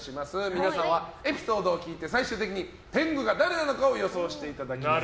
皆さんはエピソードを聞いて最終的に天狗が誰なのかを予想していただきます